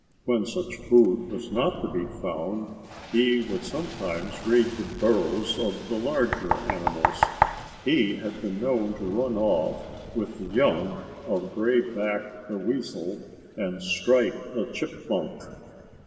When such food was not to be found, he would sometimes raid the burrows of the larger animals. He had been known to run off with the young of Gray Back the Weasel and Stripe the Chipmunk.